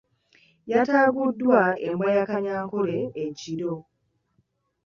Yataaguddwa embwa ya Kanyankole ekiro.